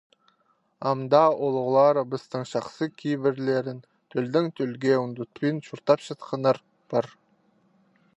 Ам даа улуғларыбыстың чахсы кибірлерін тӧлдең тӧлге ундутпин чуртапчатханнар пар.